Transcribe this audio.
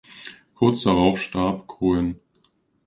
Kurz darauf starb Coen.